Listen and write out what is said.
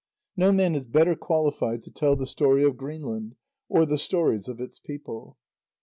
No man is better qualified to tell the story of Greenland, or the stories of its people.